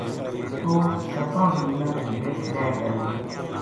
توہ سَتاں زمیناں کے ہیٹھ لہہ جائے گو‘‘